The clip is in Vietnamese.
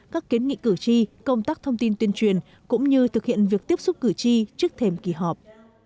các kiến nghị cử tri công tác thông tin tuyên truyền cũng như thực hiện việc tiếp xúc cử tri trước thềm kỳ họp